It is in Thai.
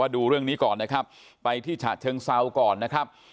ดูเรื่องนี้ก่อนนะครับไปที่ฉะเชิงเซาก่อนนะครับ